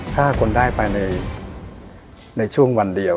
ถ้าคนได้ไปในช่วงวันเดียว